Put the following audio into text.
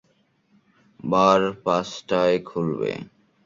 বার পাঁচটায় খুলবে।